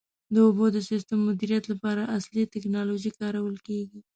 د اوبو د سم مدیریت لپاره عصري ټکنالوژي کارول کېږي.